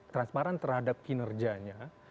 transparan terhadap kinerjanya